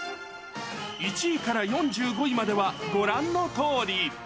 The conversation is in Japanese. １位から４５位まではご覧のとおり。